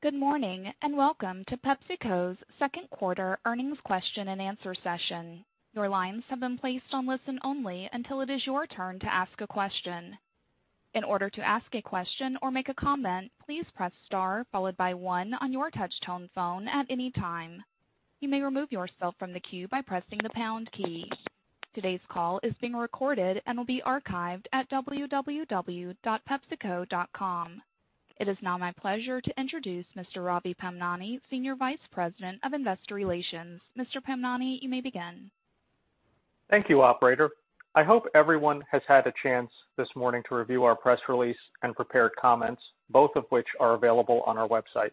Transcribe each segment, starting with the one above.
Good morning, and welcome to PepsiCo's second quarter earnings question and answer session. Your lines have been placed on listen only until it is your turn to ask a question. In order to ask a question or make a comment, please press star followed by one on your touch-tone phone at any time. You may remove yourself from the queue by pressing the pound key. Today's call is being recorded and will be archived at www.pepsico.com. It is now my pleasure to introduce Mr. Ravi Pamnani, Senior Vice President of Investor Relations. Mr. Pamnani, you may begin. Thank you, operator. I hope everyone has had a chance this morning to review our press release and prepared comments, both of which are available on our website.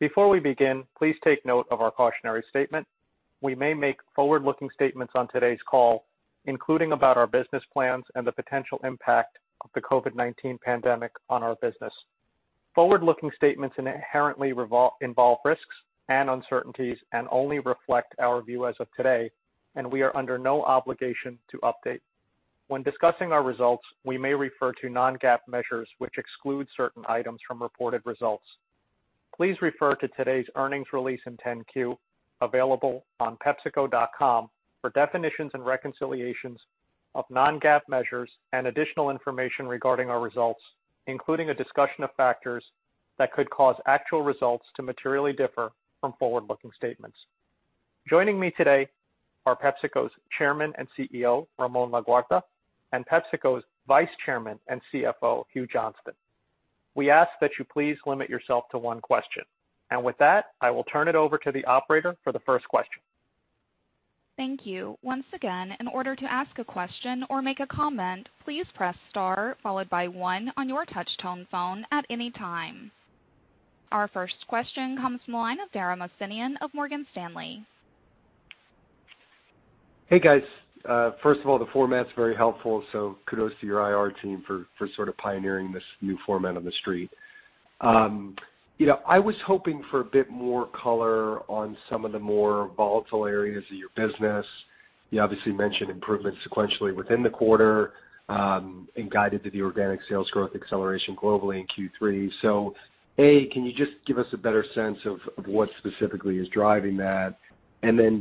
Before we begin, please take note of our cautionary statement. We may make forward-looking statements on today's call, including about our business plans and the potential impact of the COVID-19 pandemic on our business. Forward-looking statements inherently involve risks and uncertainties and only reflect our view as of today, and we are under no obligation to update. When discussing our results, we may refer to non-GAAP measures which exclude certain items from reported results. Please refer to today's earnings release in 10-Q, available on pepsico.com for definitions and reconciliations of non-GAAP measures and additional information regarding our results, including a discussion of factors that could cause actual results to materially differ from forward-looking statements. Joining me today are PepsiCo's Chairman and CEO, Ramon Laguarta, and PepsiCo's Vice Chairman and CFO, Hugh Johnston. We ask that you please limit yourself to one question. With that, I will turn it over to the operator for the first question. Thank you. Once again, in order to ask a question or make a comment, please press star followed by one on your touch-tone phone at any time. Our first question comes from the line of Dara Mohsenian of Morgan Stanley. Hey, guys. First of all, the format's very helpful. Kudos to your IR team for sort of pioneering this new format on the street. I was hoping for a bit more color on some of the more volatile areas of your business. You obviously mentioned improvements sequentially within the quarter, and guided to the organic sales growth acceleration globally in Q3. A, can you just give us a better sense of what specifically is driving that?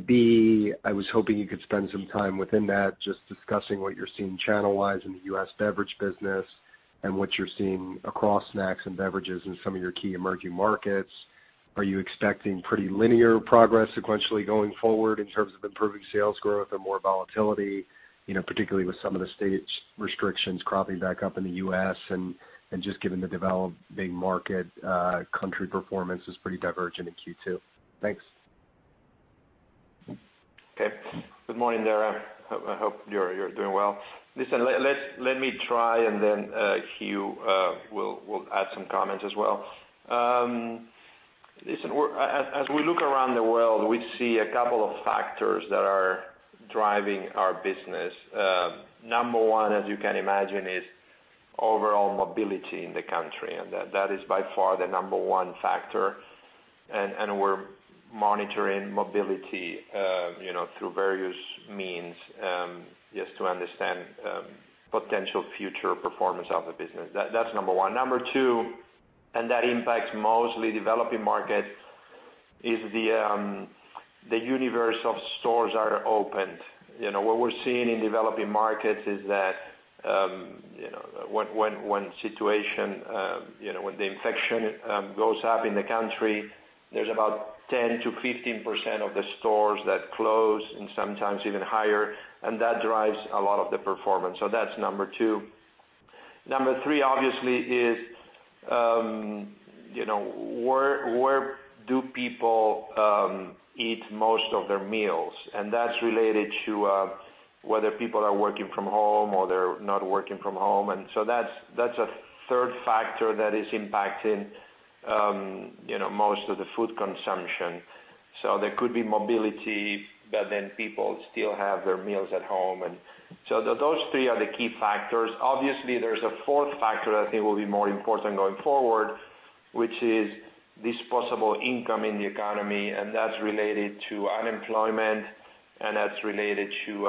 B, I was hoping you could spend some time within that just discussing what you're seeing channel-wise in the U.S. beverage business, and what you're seeing across snacks and beverages in some of your key emerging markets. Are you expecting pretty linear progress sequentially going forward in terms of improving sales growth or more volatility, particularly with some of the states' restrictions cropping back up in the U.S., and just given the developing market, country performance is pretty divergent in Q2? Thanks. Okay. Good morning, Dara. I hope you're doing well. Let me try, and then Hugh will add some comments as well. As we look around the world, we see a couple of factors that are driving our business. Number 1, as you can imagine, is overall mobility in the country, and that is by far the number 1 factor. We're monitoring mobility through various means, just to understand potential future performance of the business. That's number 1. Number 2, and that impacts mostly developing markets, is the universe of stores are opened. What we're seeing in developing markets is that when the infection goes up in the country, there's about 10%-15% of the stores that close, and sometimes even higher, and that drives a lot of the performance. That's number 2. Number 3 obviously is, where do people eat most of their meals? That's related to whether people are working from home or they're not working from home. That's a third factor that is impacting most of the food consumption. There could be mobility, but then people still have their meals at home. Those three are the key factors. Obviously, there's a fourth factor that I think will be more important going forward, which is disposable income in the economy, and that's related to unemployment, and that's related to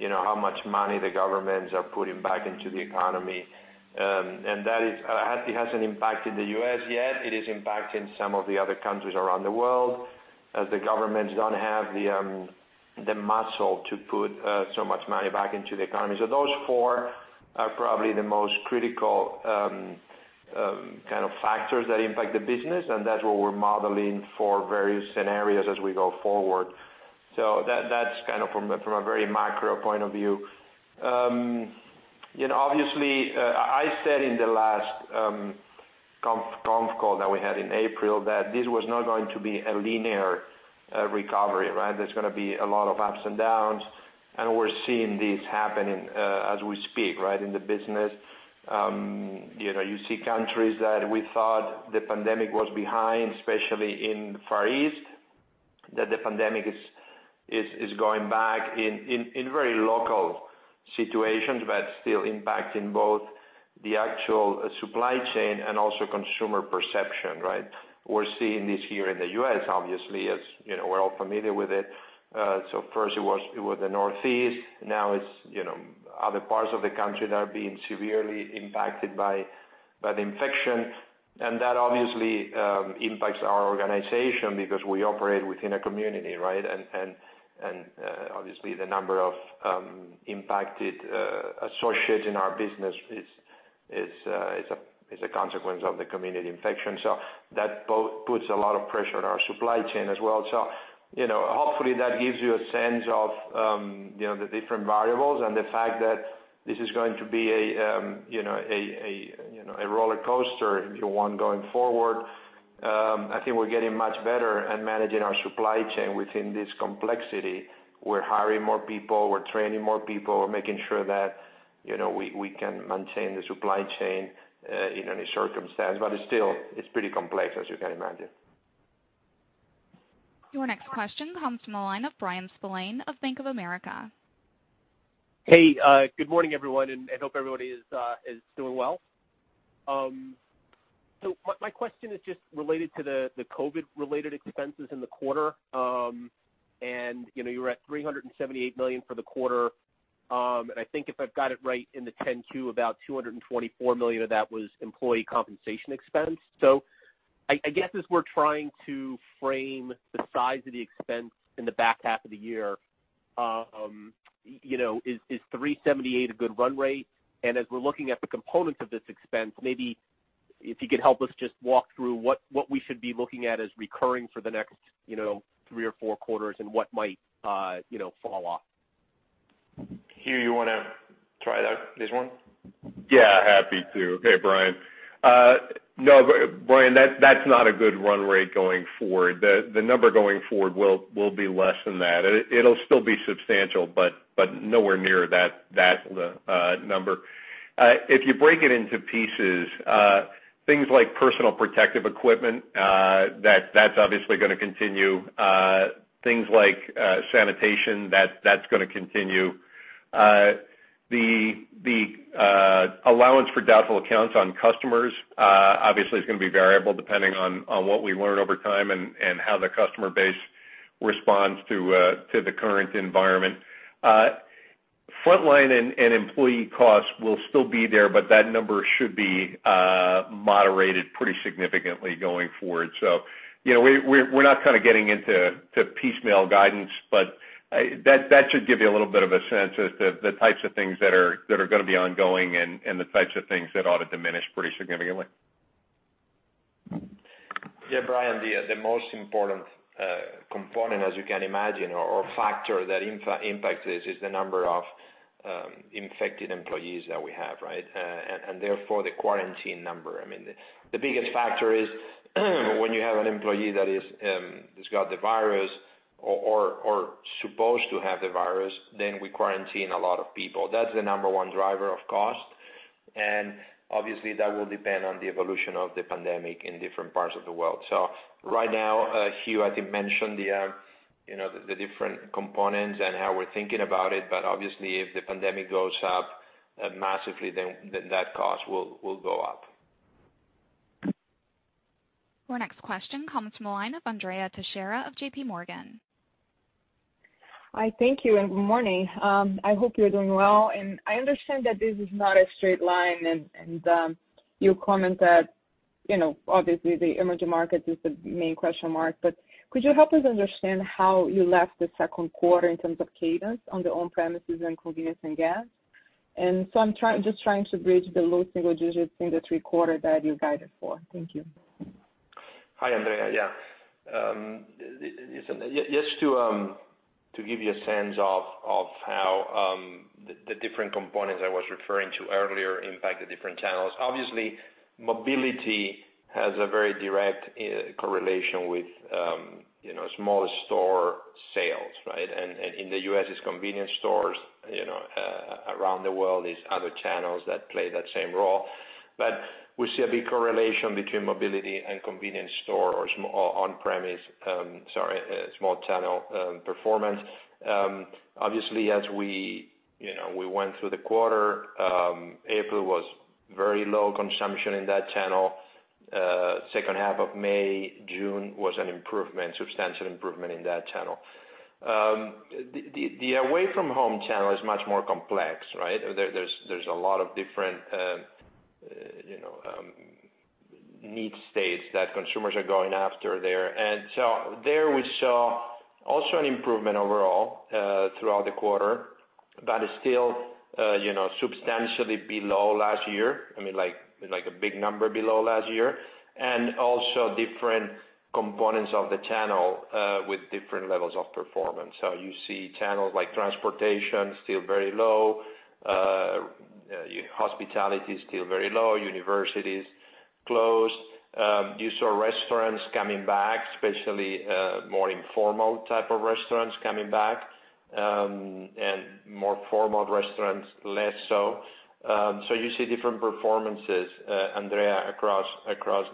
how much money the governments are putting back into the economy. That hasn't impacted the U.S. yet. It is impacting some of the other countries around the world, as the governments don't have the muscle to put so much money back into the economy. Those four are probably the most critical kind of factors that impact the business, and that's what we're modeling for various scenarios as we go forward. That's kind of from a very macro point of view. Obviously, I said in the last conf call that we had in April that this was not going to be a linear recovery, right? There's going to be a lot of ups and downs, and we're seeing this happening as we speak, right, in the business. You see countries that we thought the pandemic was behind, especially in the Far East, that the pandemic is going back in very local situations, but still impacting both the actual supply chain and also consumer perception, right? We're seeing this here in the U.S., obviously, as we're all familiar with it. First it was the Northeast. It's other parts of the country that are being severely impacted by infection, and that obviously impacts our organization because we operate within a community, right? Obviously the number of impacted associates in our business is a consequence of the community infection. That both puts a lot of pressure on our supply chain as well. Hopefully that gives you a sense of the different variables and the fact that this is going to be a roller coaster, if you want, going forward. I think we're getting much better at managing our supply chain within this complexity. We're hiring more people, we're training more people. We're making sure that we can maintain the supply chain in any circumstance. It's still pretty complex, as you can imagine. Your next question comes from the line of Bryan Spillane of Bank of America. Hey, good morning, everyone, and hope everybody is doing well. My question is just related to the COVID-19-related expenses in the quarter. You were at $378 million for the quarter. I think if I've got it right, in the 10-Q, about $224 million of that was employee compensation expense. I guess as we're trying to frame the size of the expense in the back half of the year, is $378 million a good run rate? As we're looking at the components of this expense, maybe if you could help us just walk through what we should be looking at as recurring for the next three or four quarters and what might fall off. Hugh, you want to try this one? Yeah, happy to. Okay, Bryan. No, Bryan, that's not a good run rate going forward. The number going forward will be less than that. It'll still be substantial, but nowhere near that number. If you break it into pieces, things like personal protective equipment, that's obviously going to continue. Things like sanitation, that's going to continue. The allowance for doubtful accounts on customers obviously is going to be variable depending on what we learn over time and how the customer base responds to the current environment. Frontline and employee costs will still be there, but that number should be moderated pretty significantly going forward. We're not getting into piecemeal guidance, but that should give you a little bit of a sense as to the types of things that are going to be ongoing and the types of things that ought to diminish pretty significantly. Yeah, Bryan, the most important component as you can imagine or factor that impacts this is the number of infected employees that we have, right? Therefore, the quarantine number. The biggest factor is when you have an employee that's got the virus or supposed to have the virus, then we quarantine a lot of people. That's the number one driver of cost. Obviously, that will depend on the evolution of the pandemic in different parts of the world. Right now, Hugh, I think, mentioned the different components and how we're thinking about it. Obviously, if the pandemic goes up massively, then that cost will go up. Our next question comes from the line of Andrea Teixeira of JPMorgan. Hi, thank you, good morning. I hope you're doing well. I understand that this is not a straight line, and you comment that obviously the emerging market is the main question mark. Could you help us understand how you left the second quarter in terms of cadence on the on-premises and convenience and gas? I'm just trying to bridge the low single digits in the third quarter that you guided for. Thank you. Hi, Andrea. Yeah. Just to give you a sense of how the different components I was referring to earlier impact the different channels. Mobility has a very direct correlation with small store sales, right? In the U.S., it's convenience stores. Around the world, it's other channels that play that same role. We see a big correlation between mobility and convenience store or on-premise, sorry, small channel performance. As we went through the quarter, April was very low consumption in that channel. Second half of May, June was an substantial improvement in that channel. The away-from-home channel is much more complex, right? There's a lot of different need states that consumers are going after there. There we saw also an improvement overall, throughout the quarter. It's still substantially below last year. I mean, like a big number below last year. Also different components of the channel with different levels of performance. You see channels like transportation, still very low. Hospitality is still very low. Universities closed. You saw restaurants coming back, especially more informal type of restaurants coming back, and more formal restaurants, less so. You see different performances, Andrea, across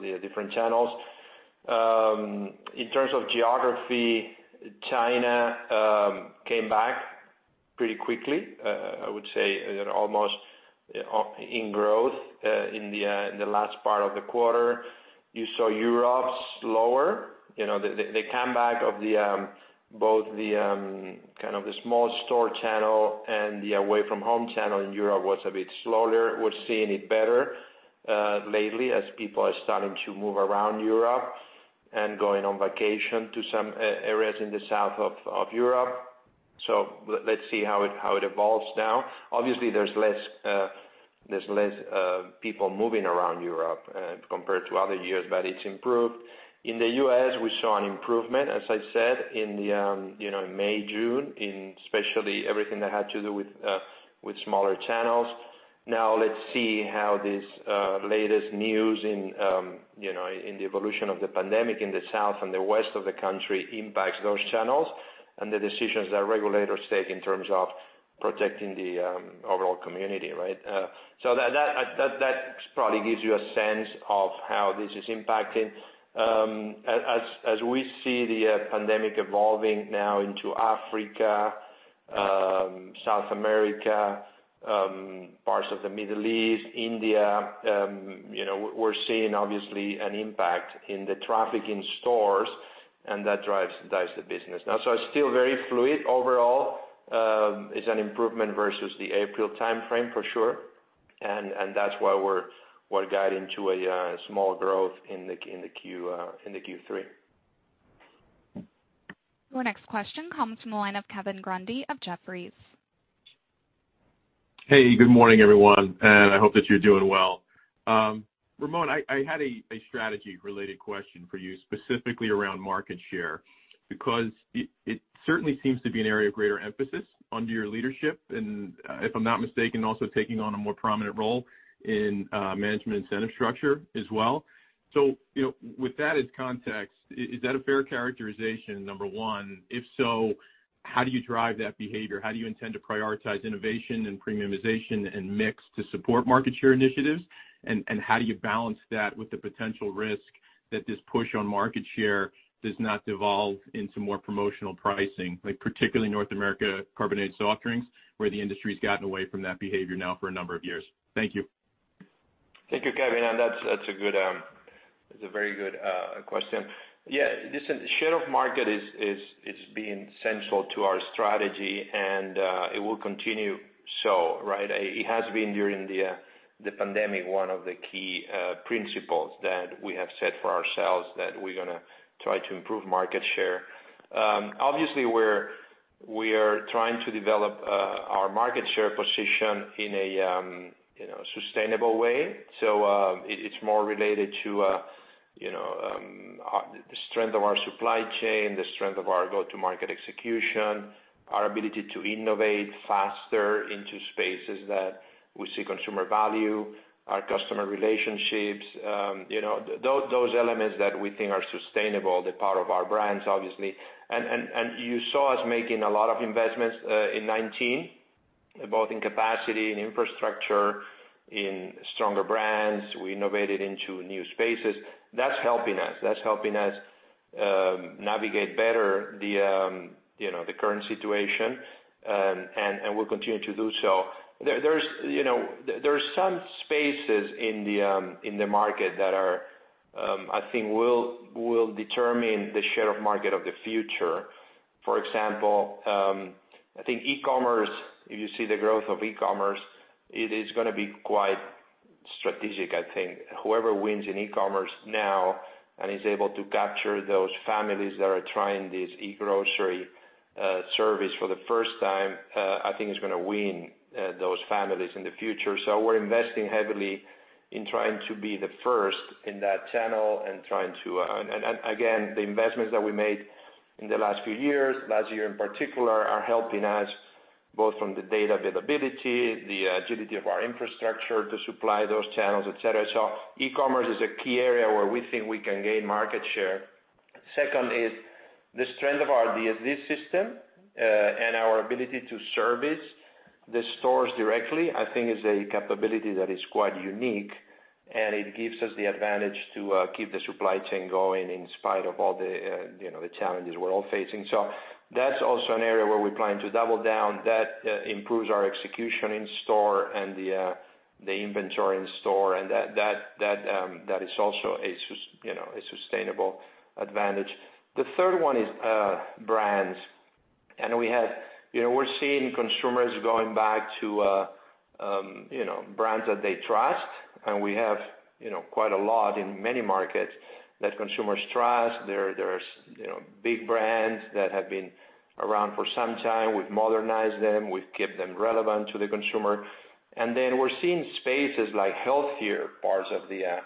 the different channels. In terms of geography, China came back pretty quickly. I would say almost in growth, in the last part of the quarter. You saw Europe slower. The comeback of both the small store channel and the away-from-home channel in Europe was a bit slower. We're seeing it better lately as people are starting to move around Europe and going on vacation to some areas in the south of Europe. Let's see how it evolves now. Obviously, there's less people moving around Europe compared to other years, but it's improved. In the U.S., we saw an improvement, as I said, in May, June, in especially everything that had to do with smaller channels. Let's see how this latest news in the evolution of the pandemic in the south and the west of the country impacts those channels and the decisions that regulators take in terms of protecting the overall community. That probably gives you a sense of how this is impacting. As we see the pandemic evolving now into Africa, South America, parts of the Middle East, India, we're seeing, obviously, an impact in the traffic in stores, and that drives the business. It's still very fluid. Overall, it's an improvement versus the April timeframe, for sure. That's why we're guiding to a small growth in the Q3. Your next question comes from the line of Kevin Grundy of Jefferies. Good morning, everyone. I hope that you're doing well. Ramon, I had a strategy-related question for you, specifically around market share, because it certainly seems to be an area of greater emphasis under your leadership, and if I'm not mistaken, also taking on a more prominent role in management incentive structure as well. With that as context, is that a fair characterization, number one? If so, how do you drive that behavior? How do you intend to prioritize innovation and premiumization and mix to support market share initiatives? How do you balance that with the potential risk that this push on market share does not devolve into more promotional pricing, like particularly North America carbonated soft drinks, where the industry's gotten away from that behavior now for a number of years? Thank you. Thank you, Kevin. That's a very good question. Yeah, listen, share of market is being central to our strategy and it will continue so. It has been, during the pandemic, one of the key principles that we have set for ourselves that we're going to try to improve market share. Obviously, we are trying to develop our market share position in a sustainable way. It's more related to the strength of our supply chain, the strength of our go-to-market execution, our ability to innovate faster into spaces that we see consumer value, our customer relationships. Those elements that we think are sustainable, the power of our brands, obviously. You saw us making a lot of investments in 2019, both in capacity, in infrastructure, in stronger brands. We innovated into new spaces. That's helping us. That's helping us navigate better the current situation, and we'll continue to do so. There's some spaces in the market that I think will determine the share of market of the future. For example, I think e-commerce, if you see the growth of e-commerce, it is going to be quite strategic, I think. Whoever wins in e-commerce now and is able to capture those families that are trying this e-grocery service for the first time, I think, is going to win those families in the future. We're investing heavily in trying to be the first in that channel. Again, the investments that we made in the last few years, last year in particular, are helping us both from the data availability, the agility of our infrastructure to supply those channels, et cetera. E-commerce is a key area where we think we can gain market share. The strength of our DSD system, and our ability to service the stores directly, I think, is a capability that is quite unique and it gives us the advantage to keep the supply chain going in spite of all the challenges we're all facing. That's also an area where we're planning to double down. That improves our execution in store and the inventory in store, that is also a sustainable advantage. The third one is brands. We're seeing consumers going back to brands that they trust, and we have quite a lot in many markets that consumers trust. There's big brands that have been around for some time. We've modernized them. We've kept them relevant to the consumer. We're seeing spaces like healthier parts of the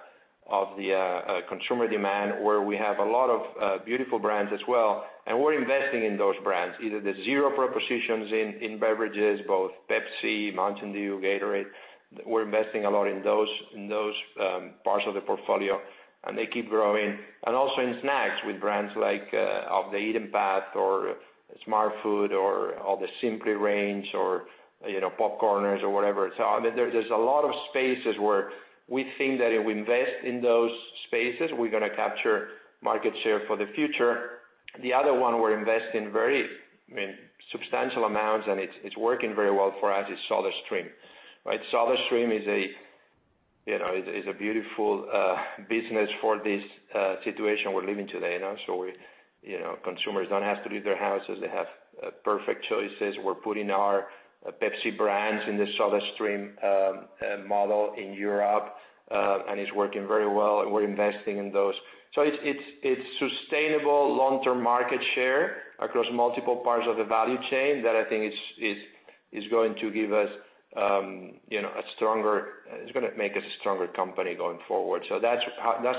consumer demand, where we have a lot of beautiful brands as well, and we're investing in those brands. Either the zero propositions in beverages, both Pepsi, Mountain Dew, Gatorade. We're investing a lot in those parts of the portfolio, and they keep growing. Also in snacks with brands like Off The Eaten Path or Smartfood or the Simply range or PopCorners or whatever. There's a lot of spaces where we think that if we invest in those spaces, we're going to capture market share for the future. The other one we're investing very substantial amounts, and it's working very well for us, is SodaStream. SodaStream is a beautiful business for this situation we're living today. Consumers don't have to leave their houses. They have perfect choices. We're putting our Pepsi brands in the SodaStream model in Europe, and it's working very well, and we're investing in those. It's sustainable long-term market share across multiple parts of the value chain that I think is going to make us a stronger company going forward. That's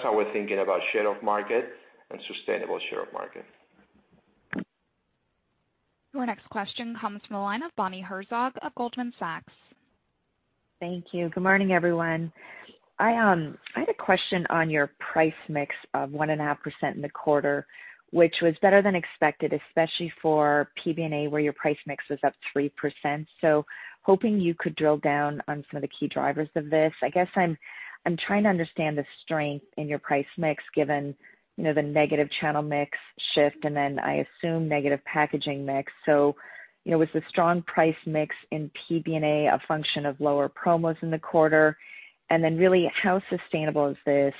how we're thinking about share of market and sustainable share of market. Your next question comes from the line of Bonnie Herzog of Goldman Sachs. Thank you. Good morning, everyone. I had a question on your price mix of 1.5% in the quarter, which was better than expected, especially for PBNA, where your price mix was up 3%. Hoping you could drill down on some of the key drivers of this. I guess I'm trying to understand the strength in your price mix, given the negative channel mix shift, and then I assume negative packaging mix. Was the strong price mix in PBNA a function of lower promos in the quarter? Really, how sustainable is this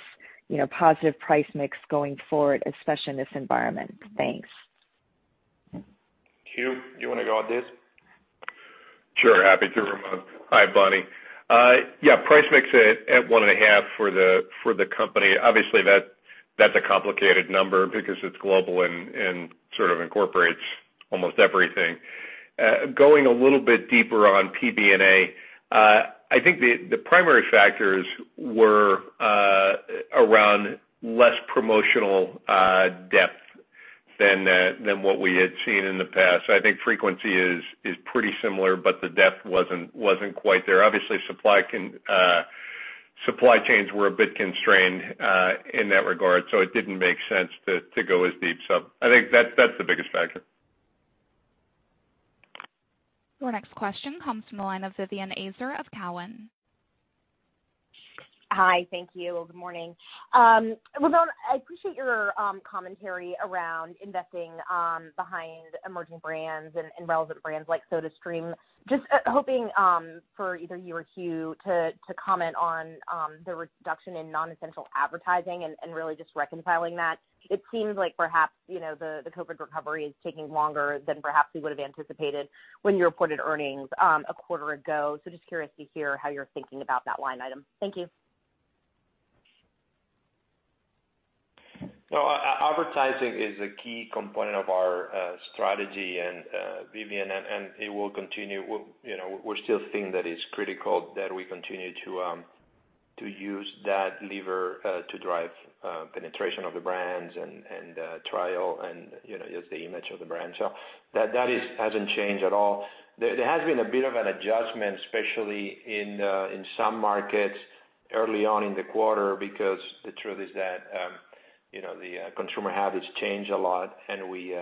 positive price mix going forward, especially in this environment? Thanks. Hugh, do you want to go on this? Sure. Happy to, Ramon. Hi, Bonnie. Yeah, price mix at one and a half for the company. Obviously that's a complicated number because it's global and sort of incorporates almost everything. Going a little bit deeper on PBNA, I think the primary factors were around less promotional depth than what we had seen in the past. I think frequency is pretty similar, but the depth wasn't quite there. Obviously, supply chains were a bit constrained in that regard, so it didn't make sense to go as deep. I think that's the biggest factor. Your next question comes from the line of Vivien Azer of Cowen. Hi. Thank you. Good morning. Ramon, I appreciate your commentary around investing behind emerging brands and relevant brands like SodaStream. Just hoping for either you or Hugh to comment on the reduction in non-essential advertising and really just reconciling that. It seems like perhaps, the COVID recovery is taking longer than perhaps we would've anticipated when you reported earnings a quarter ago. Just curious to hear how you're thinking about that line item. Thank you. Advertising is a key component of our strategy, Vivien, and it will continue. We still think that it's critical that we continue to use that lever to drive penetration of the brands and trial, and it's the image of the brand. That hasn't changed at all. There has been a bit of an adjustment, especially in some markets early on in the quarter, because the truth is that the consumer habits change a lot, and we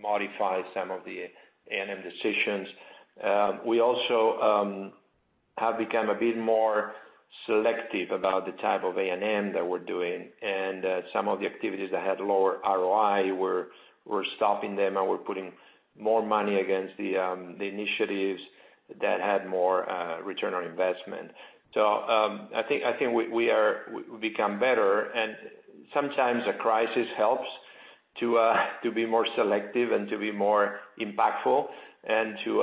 modified some of the A&M decisions. We also have become a bit more selective about the type of A&M that we're doing, and some of the activities that had lower ROI, we're stopping them, and we're putting more money against the initiatives that had more return on investment. I think we become better and sometimes a crisis helps to be more selective and to be more impactful and to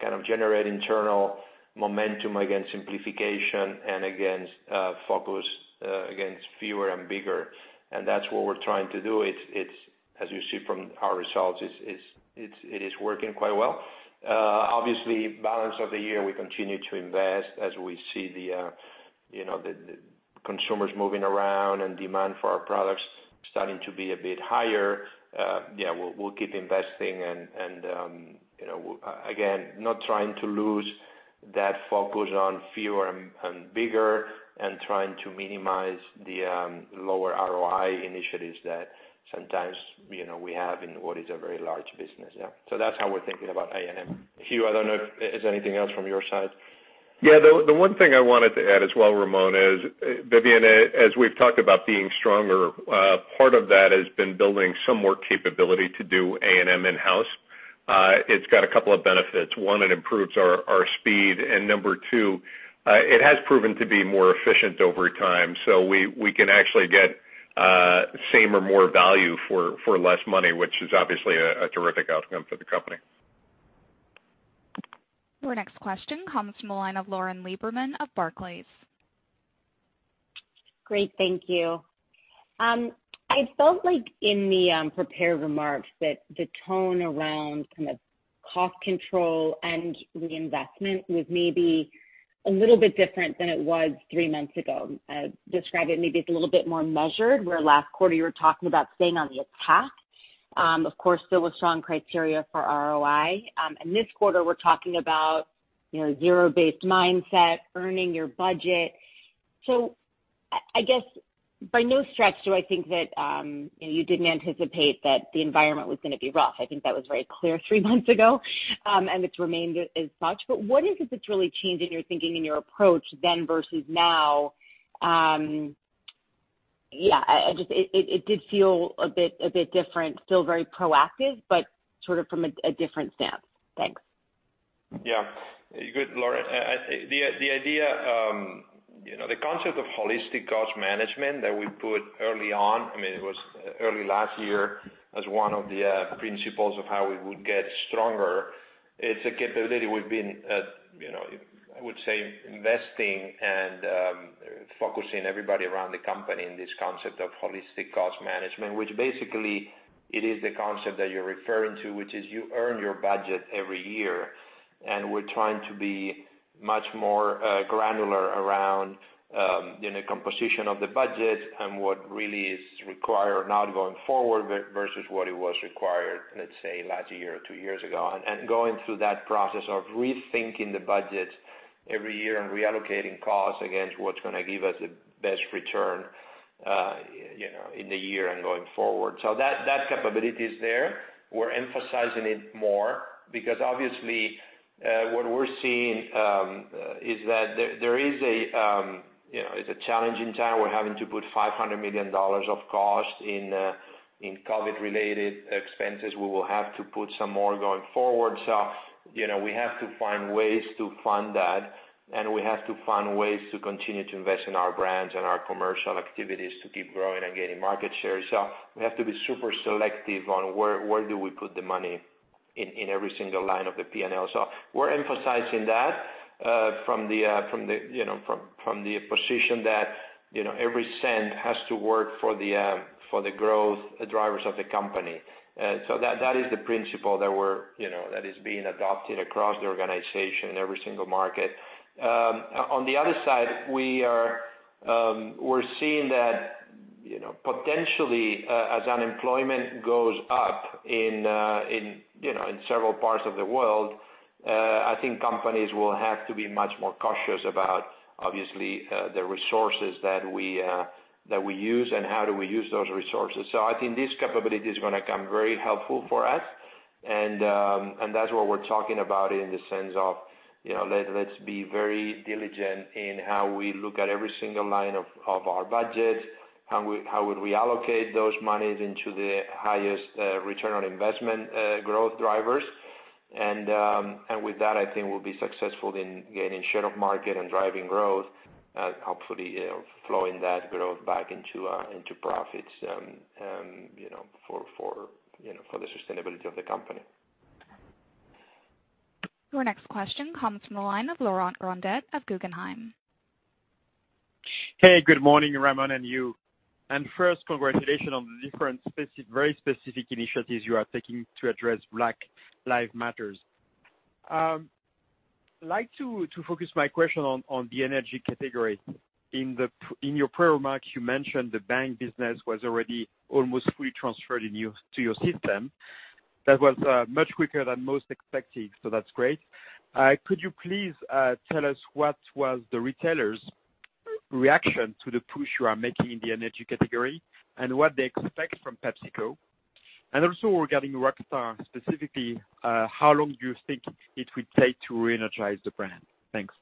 kind of generate internal momentum against simplification and against focus against fewer and bigger. That's what we're trying to do. As you see from our results, it is working quite well. Obviously, balance of the year, we continue to invest as we see the consumers moving around and demand for our products starting to be a bit higher. We'll keep investing and, again, not trying to lose that focus on fewer and bigger and trying to minimize the lower ROI initiatives that sometimes we have in what is a very large business. That's how we're thinking about A&M. Hugh, I don't know if there's anything else from your side. Yeah. The one thing I wanted to add as well, Ramon, is, Vivien, as we've talked about being stronger, part of that has been building some more capability to do A&M in-house. It's got a couple of benefits. One, it improves our speed, and number two, it has proven to be more efficient over time. We can actually get same or more value for less money, which is obviously a terrific outcome for the company. Your next question comes from the line of Lauren Lieberman of Barclays. Great. Thank you. I felt like in the prepared remarks that the tone around kind of cost control and reinvestment was maybe a little bit different than it was three months ago. I'd describe it maybe as a little bit more measured, where last quarter you were talking about staying on the attack. Of course, still a strong criteria for ROI. In this quarter, we're talking about zero-based mindset, earning your budget. I guess by no stretch do I think that you didn't anticipate that the environment was going to be rough. I think that was very clear three months ago, and it's remained as such. What is it that's really changed in your thinking and your approach then versus now? Yeah, it did feel a bit different. Still very proactive, but sort of from a different stance. Thanks. Yeah. Good, Lauren. The concept of holistic cost management that we put early on, it was early last year, as one of the principles of how we would get stronger. It's a capability we've been, I would say, investing and focusing everybody around the company in this concept of holistic cost management. Basically it is the concept that you're referring to, which is you earn your budget every year. We're trying to be much more granular around the composition of the budget and what really is required now going forward, versus what it was required, let's say last year or two years ago. Going through that process of rethinking the budget every year and reallocating costs against what's going to give us the best return in the year and going forward. That capability is there. We're emphasizing it more because obviously, what we're seeing is that there is a challenging time. We're having to put $500 million of cost in COVID-related expenses. We will have to put some more going forward. We have to find ways to fund that, and we have to find ways to continue to invest in our brands and our commercial activities to keep growing and gaining market share. We have to be super selective on where do we put the money in every single line of the P&L. We're emphasizing that, from the position that every cent has to work for the growth drivers of the company. That is the principle that is being adopted across the organization in every single market. On the other side, we're seeing that, potentially, as unemployment goes up in several parts of the world, I think companies will have to be much more cautious about, obviously, the resources that we use and how do we use those resources. I think this capability is going to come very helpful for us. That's what we're talking about in the sense of, let's be very diligent in how we look at every single line of our budget. How would we allocate those monies into the highest return on investment growth drivers. With that, I think we'll be successful in gaining share of market and driving growth, hopefully flowing that growth back into profits for the sustainability of the company. Your next question comes from the line of Laurent Grandet of Guggenheim. Hey, good morning, Ramon and you. First, congratulations on the different, very specific initiatives you are taking to address Black Lives Matter. I'd like to focus my question on the energy category. In your prior remarks, you mentioned the Bang business was already almost fully transferred to your system. That was much quicker than most expected, so that's great. Could you please tell us what was the retailer's reaction to the push you are making in the energy category, and what they expect from PepsiCo? Also regarding Rockstar specifically, how long do you think it would take to reenergize the brand? Thanks.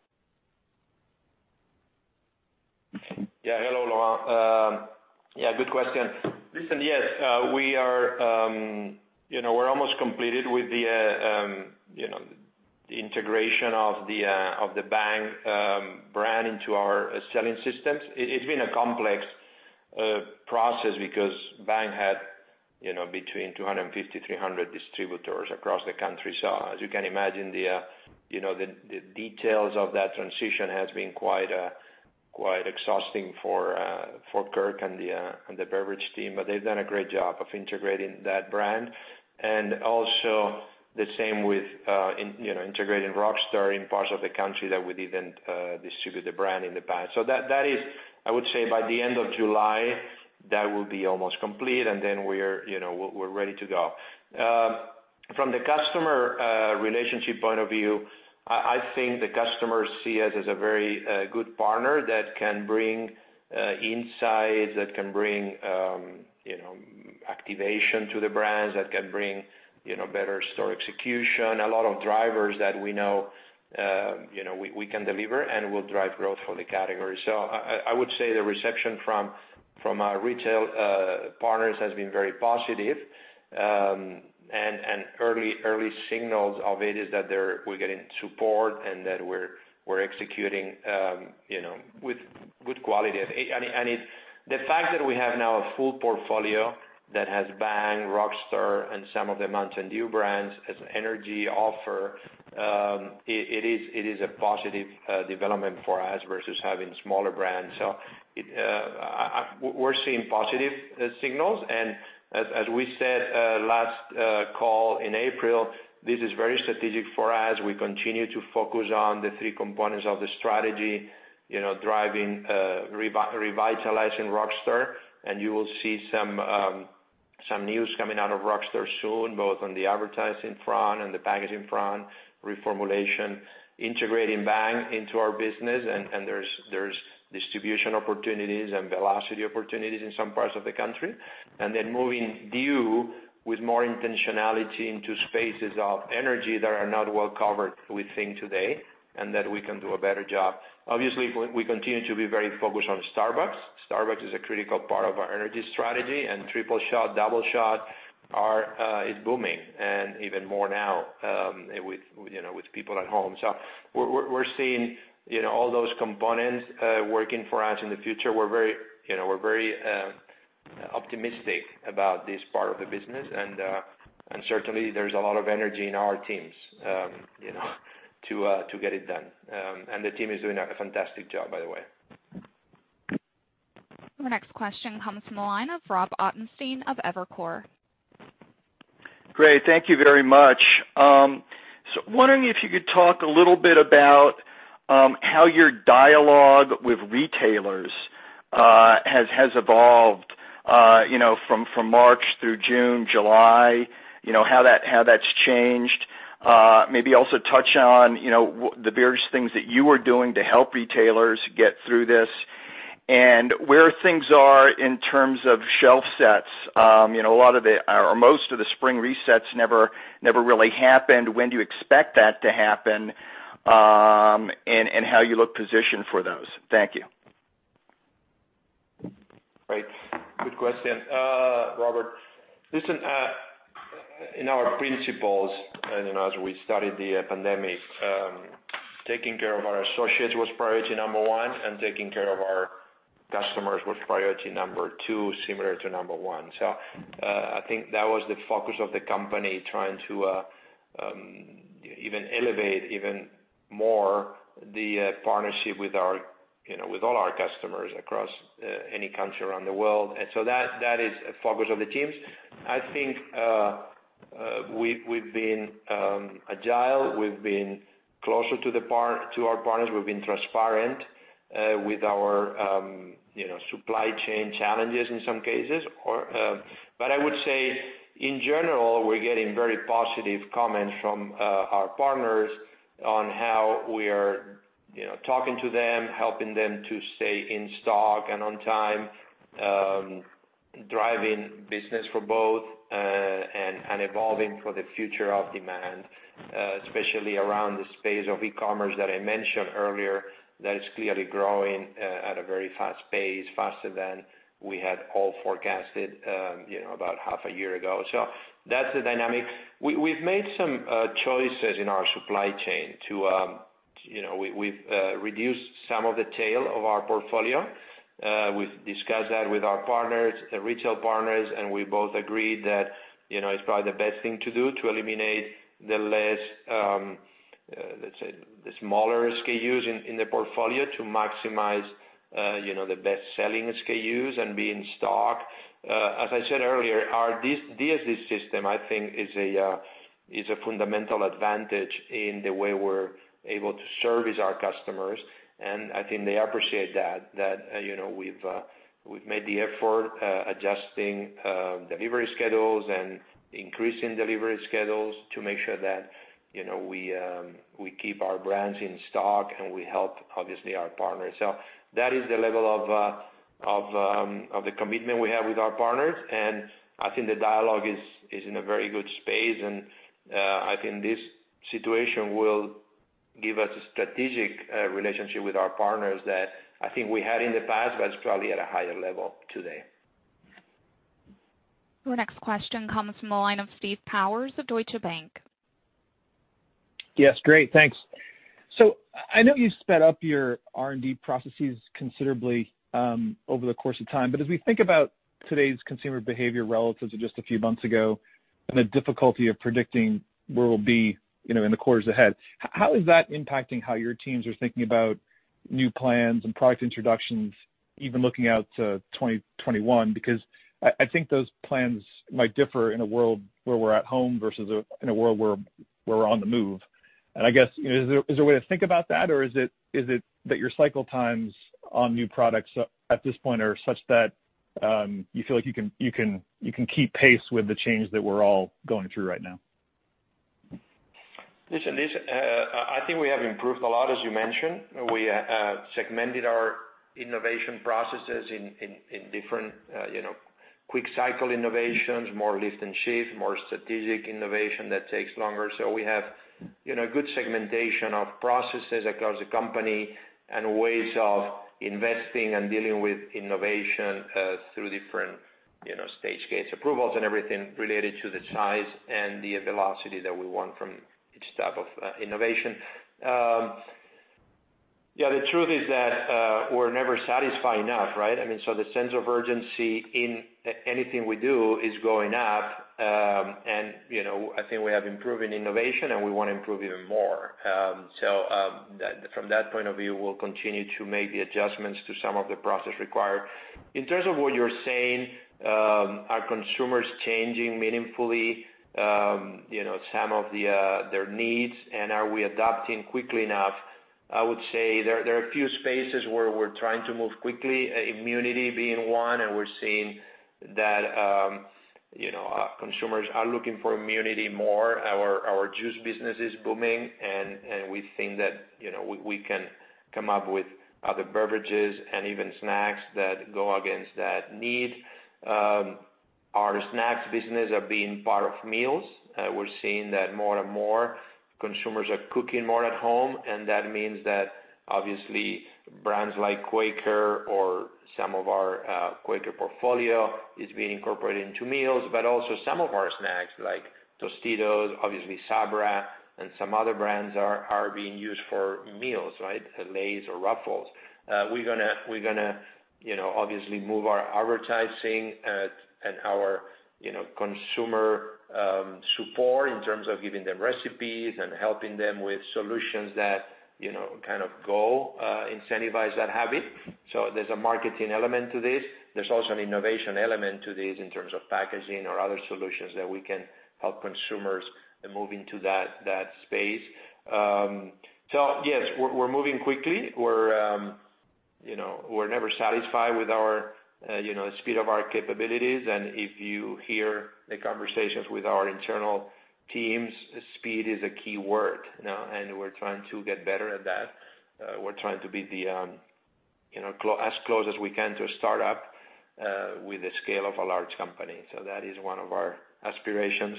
Hello, Laurent. Good question. Listen, yes, we're almost completed with the integration of the Bang brand into our selling systems. It's been a complex process because Bang had between 250-300 distributors across the country.` As you can imagine, the details of that transition has been quite exhausting for Kirk and the beverage team. They've done a great job of integrating that brand. Also the same with integrating Rockstar in parts of the country that we didn't distribute the brand in the past. That is, I would say by the end of July, that will be almost complete, and then we're ready to go. From the customer relationship point of view, I think the customers see us as a very good partner that can bring insights, that can bring activation to the brands, that can bring better store execution. A lot of drivers that we know we can deliver and will drive growth for the category. I would say the reception from our retail partners has been very positive. Early signals of it is that we're getting support and that we're executing with good quality. The fact that we have now a full portfolio that has Bang, Rockstar, and some of the Mountain Dew brands as energy offer, it is a positive development for us versus having smaller brands. We're seeing positive signals, and as we said last call in April, this is very strategic for us. We continue to focus on the three components of the strategy, revitalizing Rockstar. You will see Some news coming out of Rockstar soon, both on the advertising front and the packaging front, reformulation, integrating Bang into our business, and there's distribution opportunities and velocity opportunities in some parts of the U.S. Moving Dew with more intentionality into spaces of energy that are not well covered, we think, today, and that we can do a better job. Obviously, we continue to be very focused on Starbucks. Starbucks is a critical part of our energy strategy, and Tripleshot, Doubleshot is booming, and even more now with people at home. We're seeing all those components working for us in the future. We're very optimistic about this part of the business and, certainly, there's a lot of energy in our teams to get it done. The team is doing a fantastic job, by the way. The next question comes from the line of Robert Ottenstein of Evercore. Great. Thank you very much. Wondering if you could talk a little bit about how your dialogue with retailers has evolved from March through June, July, how that's changed. Maybe also touch on the various things that you are doing to help retailers get through this and where things are in terms of shelf sets. Most of the spring resets never really happened. When do you expect that to happen, and how you look positioned for those? Thank you. Right. Good question, Robert. Listen, in our principles, and as we started the pandemic, taking care of our associates was priority number one, and taking care of our customers was priority number two, similar to number one. I think that was the focus of the company, trying to even elevate even more the partnership with all our customers across any country around the world. That is a focus of the teams. I think we've been agile, we've been closer to our partners, we've been transparent with our supply chain challenges in some cases. I would say, in general, we're getting very positive comments from our partners on how we are talking to them, helping them to stay in stock and on time, driving business for both, and evolving for the future of demand, especially around the space of e-commerce that I mentioned earlier that is clearly growing at a very fast pace, faster than we had all forecasted about half a year ago. That's the dynamic. We've made some choices in our supply chain. We've reduced some of the tail of our portfolio. We've discussed that with our partners, the retail partners, and we both agreed that it's probably the best thing to do to eliminate the less, let's say, the smaller SKUs in the portfolio to maximize the best-selling SKUs and be in stock. As I said earlier, our DSD system, I think, is a fundamental advantage in the way we're able to service our customers, and I think they appreciate that we've made the effort adjusting delivery schedules and increasing delivery schedules to make sure that we keep our brands in stock and we help, obviously, our partners. That is the level of the commitment we have with our partners, and I think the dialogue is in a very good space and I think this situation will give us a strategic relationship with our partners that I think we had in the past, but it's probably at a higher level today. Your next question comes from the line of Steve Powers of Deutsche Bank. Yes. Great, thanks. I know you sped up your R&D processes considerably over the course of time. As we think about today's consumer behavior relative to just a few months ago, and the difficulty of predicting where we'll be in the quarters ahead, how is that impacting how your teams are thinking about new plans and product introductions, even looking out to 2021? I think those plans might differ in a world where we're at home versus in a world where we're on the move. I guess, is there a way to think about that, or is it that your cycle times on new products at this point are such that you feel like you can keep pace with the change that we're all going through right now? I think we have improved a lot, as you mentioned. We segmented our innovation processes in different quick cycle innovations, more lift and shift, more strategic innovation that takes longer. We have good segmentation of processes across the company and ways of investing and dealing with innovation through different stage gate approvals and everything related to the size and the velocity that we want from each type of innovation. The truth is that we're never satisfied enough, right? The sense of urgency in anything we do is going up. I think we have improved in innovation, and we want to improve even more. From that point of view, we'll continue to make the adjustments to some of the process required. In terms of what you're saying, are consumers changing meaningfully some of their needs, and are we adapting quickly enough? I would say there are a few spaces where we're trying to move quickly, immunity being one, and we're seeing that our consumers are looking for immunity more. Our juice business are booming, and we think that we can come up with other beverages and even snacks that go against that need. Our snacks business are being part of meals. We're seeing that more and more consumers are cooking more at home, and that means that obviously brands like Quaker or some of our Quaker portfolio is being incorporated into meals. Also some of our snacks like Tostitos, obviously Sabra, and some other brands are being used for meals, Lay's or Ruffles. We're going to obviously move our advertising and our consumer support in terms of giving them recipes and helping them with solutions that kind of go incentivize that habit. There's a marketing element to this. There's also an innovation element to this in terms of packaging or other solutions that we can help consumers move into that space. Yes, we're moving quickly. We're never satisfied with our speed of our capabilities, and if you hear the conversations with our internal teams, speed is a key word. We're trying to get better at that. We're trying to be as close as we can to a startup with the scale of a large company. That is one of our aspirations,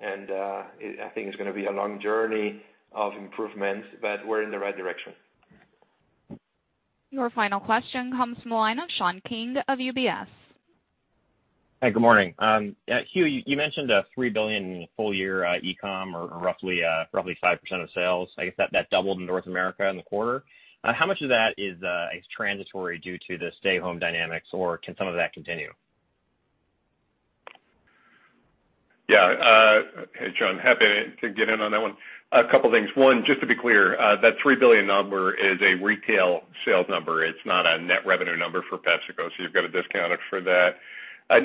and I think it's going to be a long journey of improvement, but we're in the right direction. Your final question comes from the line of Sean King of UBS. Hi, good morning. Hugh, you mentioned a $3 billion full year e-commerce or roughly 5% of sales. I guess that doubled in North America in the quarter. How much of that is transitory due to the stay home dynamics, or can some of that continue? Hey, Sean, happy to get in on that one. A couple things. One, just to be clear, that $3 billion number is a retail sales number. It's not a net revenue number for PepsiCo, you've got to discount it for that.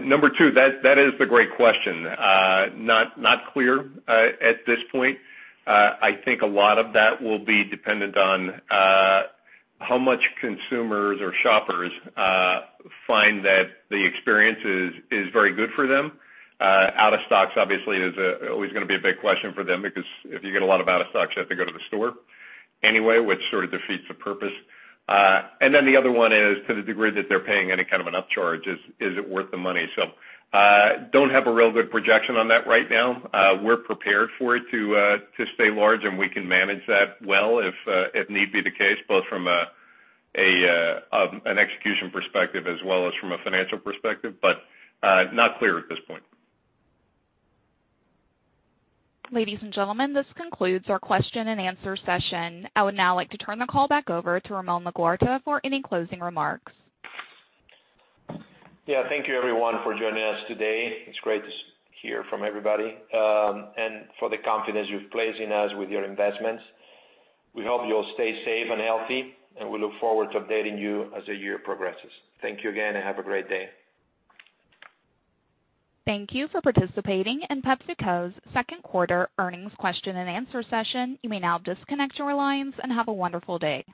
Number 2, that is the great question. Not clear at this point. I think a lot of that will be dependent on how much consumers or shoppers find that the experience is very good for them. Out of stocks obviously is always going to be a big question for them, because if you get a lot of out of stocks, you have to go to the store anyway, which sort of defeats the purpose. The other one is to the degree that they're paying any kind of an upcharge, is it worth the money? Don't have a real good projection on that right now. We're prepared for it to stay large, and we can manage that well if need be the case, both from an execution perspective as well as from a financial perspective, but not clear at this point. Ladies and gentlemen, this concludes our question and answer session. I would now like to turn the call back over to Ramon Laguarta for any closing remarks. Thank you everyone for joining us today. It's great to hear from everybody, and for the confidence you've placed in us with your investments. We hope you'll stay safe and healthy, and we look forward to updating you as the year progresses. Thank you again. Have a great day. Thank you for participating in PepsiCo's second quarter earnings question and answer session. You may now disconnect your lines and have a wonderful day.